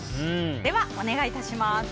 では、お願いします。